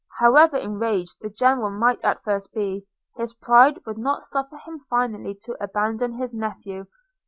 – However enraged the General might at first be, his pride would not suffer him finally to abandon his nephew.